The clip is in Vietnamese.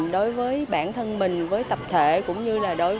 đối với bản thân mình với tập thể cũng như là đối với